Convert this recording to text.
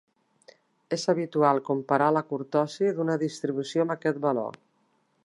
És habitual comparar la curtosi d'una distribució amb aquest valor.